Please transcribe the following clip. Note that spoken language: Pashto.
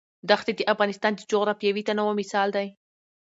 دښتې د افغانستان د جغرافیوي تنوع مثال دی.